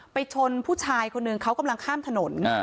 ไปชนผู้ชายคนหนึ่งเขากำลังข้ามถนน